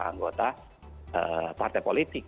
anggota partai politik